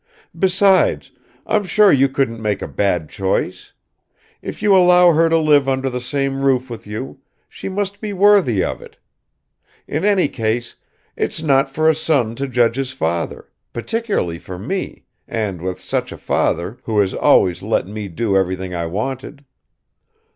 Besides, I'm sure you couldn't make a bad choice; if you allow her to live under the same roof with you, she must be worthy of it; in any case, it's not for a son to judge his father particularly for me, and with such a father, who has always let me do everything I wanted."